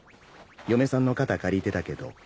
嫁さんの肩借りてたけど。